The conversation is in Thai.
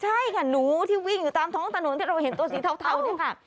ใช่ค่ะหนูที่วิ่งอยู่ตามท้องถนนที่เราเห็นตัวสีเทาเนี่ยค่ะ